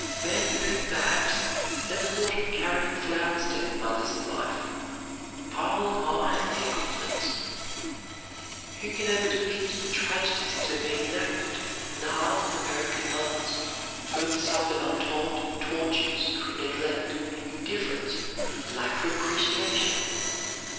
Men who, perhaps, never thought of carrying flowers to their mothers in life, pile them high on their coffins. Who can ever depict the tragedies that have been enacted in the hearts of American mothers, who have suffered untold tortures from neglect, indifference, and lack of appreciation?